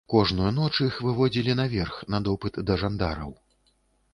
Кожную ноч іх выводзілі наверх, на допыт да жандараў.